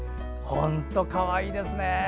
本当かわいいですね。